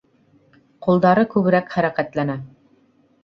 Ҡулдары күберәк хәрәкәтләнә.